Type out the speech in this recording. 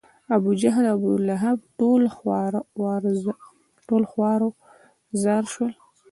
ابوجهل او ابولهب ټول خوار و زار شول.